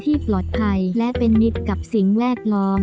ที่ปลอดภัยและเป็นมิตรกับสิ่งแวดล้อม